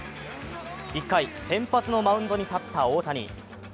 １回、先発のマウンドに立った大谷。